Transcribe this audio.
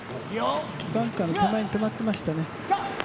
バンカーの手前に止まってましたね。